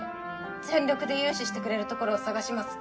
全力で融資してくれる所を探します